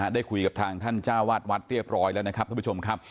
ได้คุยกับทางท่านจ้าวาดวัดเรียบร้อยแล้วนะครับท่านผู้ชมครับ